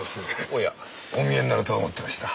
お見えになると思ってました。